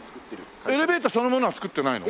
エレベーターそのものはつくってないの？